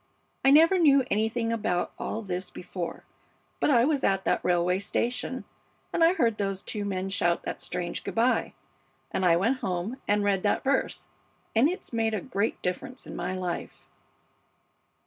I never knew anything about all this before, but I was at that railway station, and I heard those two men shout that strange good by, and I went home and read that verse, and it's made a great difference in my life.'